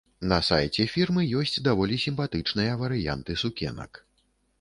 На сайце фірмы ёсць даволі сімпатычныя варыянты сукенак.